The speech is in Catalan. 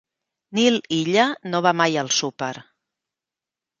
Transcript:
Nil Illa no va mai al súper.